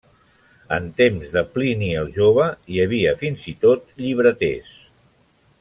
En temps de Plini el jove hi havia fins i tot llibreters.